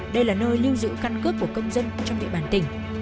đây là nơi lưu giữ căn cước của công dân trong địa bàn tỉnh